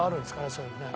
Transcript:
そういうのね。